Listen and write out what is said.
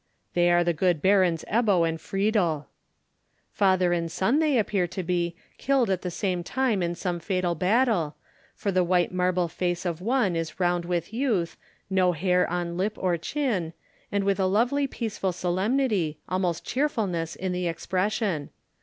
"They are the good Barons Ebbo and Friedel." Father and son they appear to be, killed at the same time in some fatal battle, for the white marble face of one is round with youth, no hair on lip nor chin, and with a lovely peaceful solemnity, almost cheerfulness, in the expression.